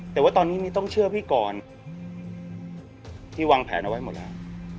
แต่ว่าตอนนี้มีต้องเชื่อพี่กรที่วางแผนเอาไว้หมดแล้ว